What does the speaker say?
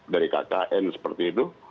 dari kkn seperti itu